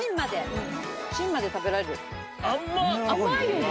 甘いよね。